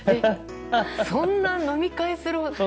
そんな飲み会するほど。